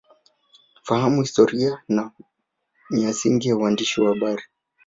Fahamu Historia Na Miasingi Ya Uwandishi Wa Habari